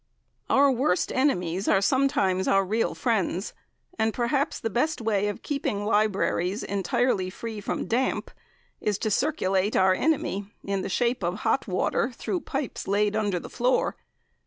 Our worst enemies are sometimes our real friends, and perhaps the best way of keeping libraries entirely free from damp is to circulate our enemy in the shape of hot water through pipes laid under the floor.